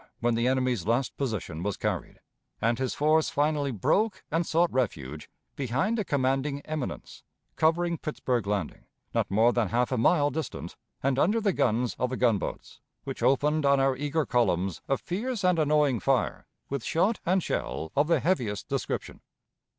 when the enemy's last position was carried, and his force finally broke and sought refuge behind a commanding eminence covering Pittsburg Landing, not more than half a mile distant, and under the guns of the gunboats, which opened on our eager columns a fierce and annoying fire with shot and shell of the heaviest description.